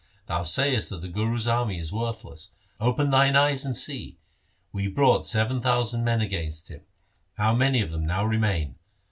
Thou sayest that the Guru's army is worthless ; open thine eyes and see. We brought seven thousand men against him, how many of them now remain